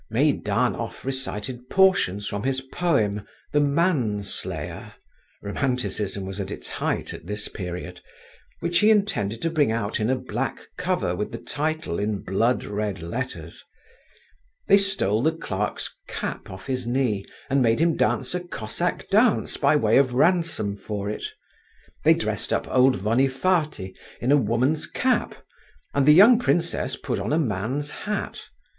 Meidanov recited portions from his poem "The Manslayer" (romanticism was at its height at this period), which he intended to bring out in a black cover with the title in blood red letters; they stole the clerk's cap off his knee, and made him dance a Cossack dance by way of ransom for it; they dressed up old Vonifaty in a woman's cap, and the young princess put on a man's hat….